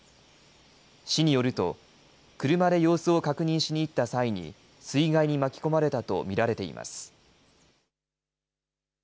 市によると、車で様子を確認しに行った際に、水害に巻き込まれたと見られています。